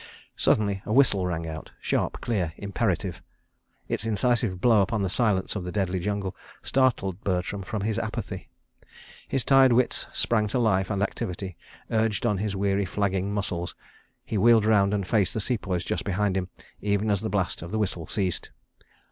... Suddenly a whistle rang out—sharp, clear, imperative. Its incisive blow upon the silence of the deadly jungle startled Bertram from his apathy. His tired wits sprang to life and activity, urged on his weary flagging muscles. He wheeled round and faced the Sepoys just behind him, even as the blast of the whistle ceased.